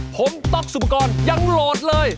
ผมต๊อกสุปกรณ์ยังโหลดเลย